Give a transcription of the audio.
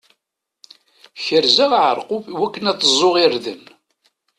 Kerzeɣ aɛerqub iwakken ad ẓẓuɣ irden.